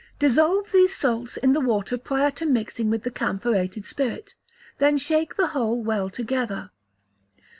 Dissolve these salts in the water prior to mixing with the camphorated spirit; then shake the whole well together.